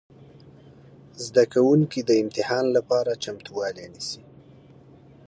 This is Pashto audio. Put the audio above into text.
زده کوونکي د امتحان لپاره چمتووالی نیسي.